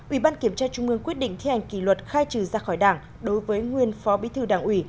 ủy ban kiểm tra trung ương quyết định thi hành kỷ luật khai trừ ra khỏi đảng đối với nguyên phó bí thư đảng ủy